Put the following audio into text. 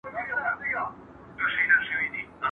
نور زلمي به وي راغلي د زاړه ساقي تر کلي